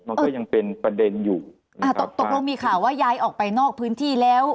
มันก็ยังเป็นประเด็นอยู่อ่าตกตกลงมีข่าวว่าย้ายออกไปนอกพื้นที่แล้ว